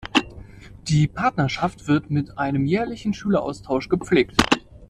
Die Partnerschaft wird mit einem jährlichen Schüleraustausch gepflegt.